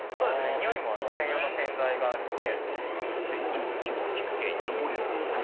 臭いも専用の洗剤があるんで。